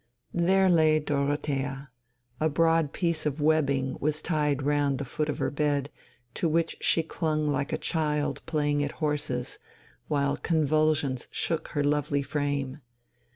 There lay Dorothea; a broad piece of webbing was tied round the foot of her bed, to which she clung like a child playing at horses, while convulsions shook her lovely frame.